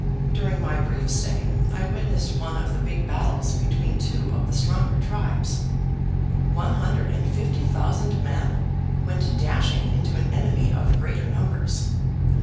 During my brief stay I witnessed one of the big battles between two of the stronger tribes. One hundred and fifty thousand men went dashing into an enemy of greater numbers.